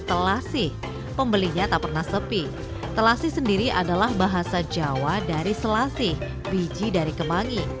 telasi pembelinya tak pernah sepi telasi sendiri adalah bahasa jawa dari selasih biji dari kemangi